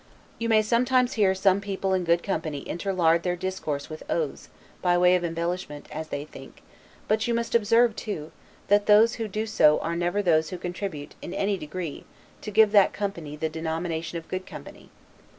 You may sometimes hear some people in good company interlard their discourse with oaths, by way of embellishment, as they think, but you must observe, too, that those who do so are never those who contribute, in any degree, to give that company the denomination of good company.